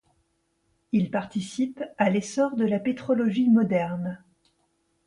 Il participe à l'essor de la pétrologie moderne.